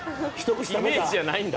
イメージじゃないんだ。